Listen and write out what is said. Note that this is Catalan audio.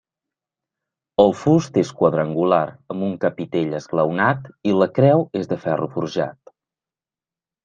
El fust és quadrangular, amb un capitell esglaonat, i la creu és de ferro forjat.